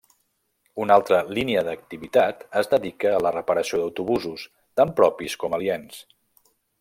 Una altra línia d'activitat es dedica a la reparació d'autobusos, tant propis com aliens.